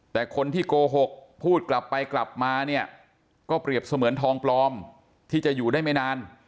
แต่คนที่โกหกพูดกลับไปกลับมาเนี่ยก็เปรียบเสมือนทองปลอมที่จะอยู่ได้ไม่นาน